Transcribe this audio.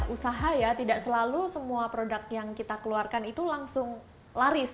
usaha ya tidak selalu semua produk yang kita keluarkan itu langsung laris